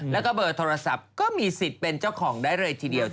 แล้วก็เบอร์โทรศัพท์ก็มีสิทธิ์เป็นเจ้าของได้เลยทีเดียว